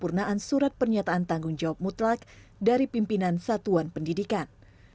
untuk berehat kasual dan sedang menjaga kemampuan hukum penguasaan masyarakat